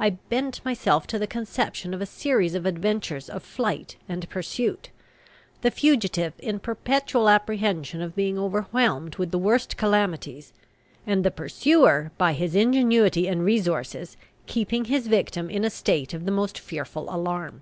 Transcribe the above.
I bent myself to the conception of a series of adventures of flight and pursuit; the fugitive in perpetual apprehension of being overwhelmed with the worst calamities, and the pursuer, by his ingenuity and resources, keeping his victim in a state of the most fearful alarm.